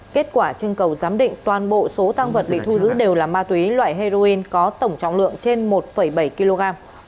kết quả trưng cầu giám định toàn bộ số tăng vật bị thu giữ đều là ma túy loại heroin có tổng trọng lượng trên một bảy kg